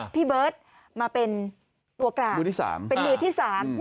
พี่เบิร์ตมาเป็นตัวกล่าวเป็นดีที่สาม